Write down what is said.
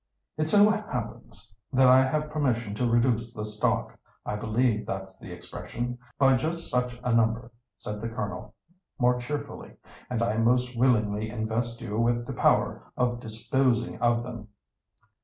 "It so happens that I have permission to reduce the stock—I believe that's the expression—by just such a number," said the Colonel more cheerfully; "and I most willingly invest you with the power of disposing of them."